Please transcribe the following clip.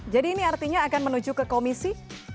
jadi ini artinya akan menuju ke komisi